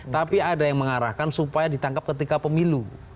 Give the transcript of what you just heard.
tapi ada yang mengarahkan supaya ditangkap ketika pemilu